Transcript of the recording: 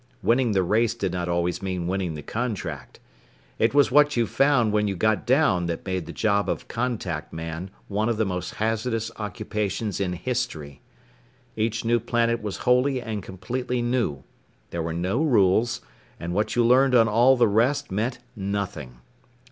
Winning the race did not always mean winning the contract. It was what you found when you got down that made the job of a Contact Man one of the most hazardous occupations in history. Each new planet was wholly and completely new, there were no rules, and what you learned on all the rest meant nothing.